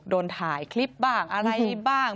โดนถ่ายคลิปบ้าง